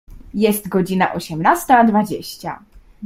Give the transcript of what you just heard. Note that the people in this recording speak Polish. Jest godzina osiemnasta dwadzieścia.